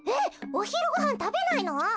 おひるごはんたべないの？